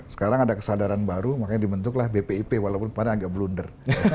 sekarang ada kesadaran baru makanya dibentuklah bpip walaupun kemarin agak blunder